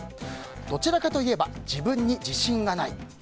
どちらかといえば自分に自信がない。